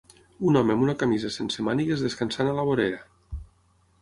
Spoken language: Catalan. Un home amb una camisa sense mànigues descansant a la vorera.